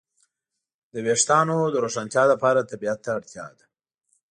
د وېښتیانو د روښانتیا لپاره طبيعت ته اړتیا ده.